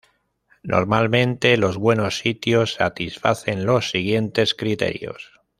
Normalmente, los buenos sitios satisfacen los siguientes criterios.